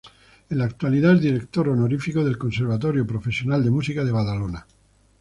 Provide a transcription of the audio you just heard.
En la actualidad es director honorífico del Conservatorio Profesional de Música de Badalona.